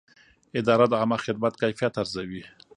اداره د عامه خدمت کیفیت ارزوي.